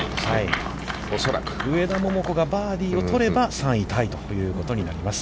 上田桃子がバーディーをとれば、３位タイということになります。